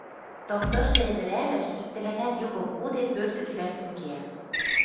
Тымдышы ӹдӹрӓмӓш, иктӹлӓнӓт юкым пуде, пӧрт гӹц лӓктӹн кеӓ.